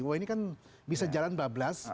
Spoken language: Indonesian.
wah ini kan bisa jalan bablas